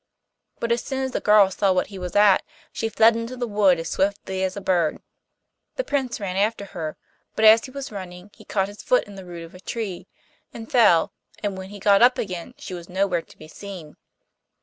But as soon as the girl saw what he was at, she fled into the wood as swiftly as a bird. The Prince ran after her, but as he was running he caught his foot in the root of a tree and fell, and when he got up again, she was nowhere to be seen.